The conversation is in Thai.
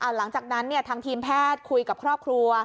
หลังจากนั้นทางทีมแพทย์คุยกับครอบครัว